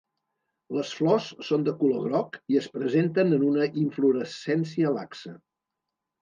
Les flors són de color groc i es presenten en una inflorescència laxa.